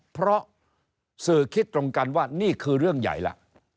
เพราะสื่อคิดตรงกันว่านี่คือเรื่องใหญ่แล้ว